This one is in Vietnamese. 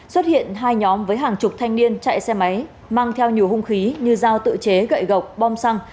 xuất hiện hai nhóm với hàng chục thanh niên chạy xe máy mang theo nhiều hung khí như dao tự chế gậy gọc bom xăng